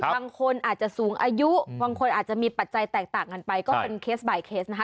บางคนอาจจะสูงอายุบางคนอาจจะมีปัจจัยแตกต่างกันไปก็เป็นเคสบ่ายเคสนะคะ